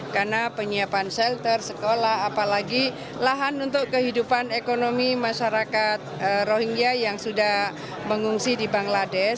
karena penyiapan shelter sekolah apalagi lahan untuk kehidupan ekonomi masyarakat rohingya yang sudah mengungsi di bangladesh